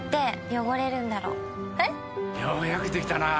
ようやくできたなぁ。